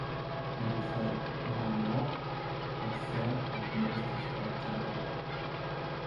And he said no more, but sat and nursed his bad temper.